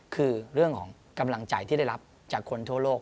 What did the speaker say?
คือเรื่องของกำลังใจที่ได้รับจากคนทั่วโลก